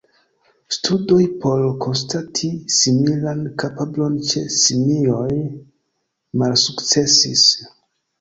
Studoj por konstati similan kapablon ĉe simioj malsukcesis.